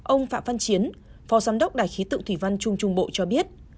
ông phạm văn chiến phó giám đốc đài khí tượng thủy văn trung trung bộ cho biết